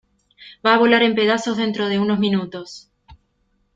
Va a volar en pedazos dentro de unos minutos